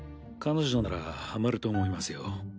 彼女ならはまると思いますよ。